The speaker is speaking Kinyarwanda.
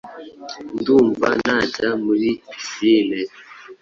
Ndumva najya muri pisine.